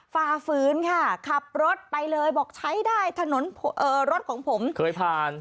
ฟาฟื้นค่ะขับรถไปเลยบอกใช้ได้ถนนก็เคยผ่าน